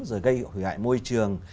rồi gây hủy hại môi trường